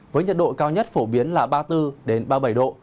với nhiệt độ cao nhất phổ biến là ba mươi bốn ba mươi bảy độ